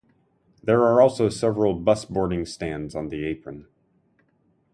There are also several bus-boarding stands on the apron.